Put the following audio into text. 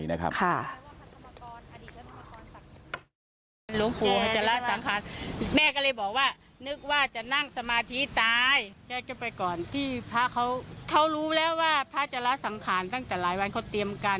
มันบาปด้วยนะ